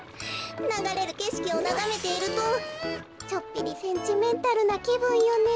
ながれるけしきをながめているとちょっぴりセンチメンタルなきぶんよね。